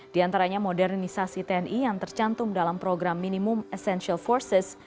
di antaranya modernisasi tni yang tercantum dalam program minimum essential forces